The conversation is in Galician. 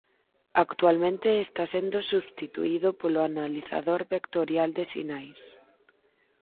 Actualmente está sendo substituído polo analizador vectorial de sinais.